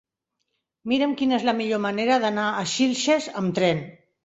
Mira'm quina és la millor manera d'anar a Xilxes amb tren.